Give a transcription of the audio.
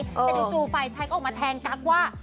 แต่จูฟัยชัยออกมาแทงทั้งว่า